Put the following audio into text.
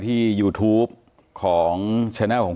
ถ้าใครอยากรู้ว่าลุงพลมีโปรแกรมทำอะไรที่ไหนยังไง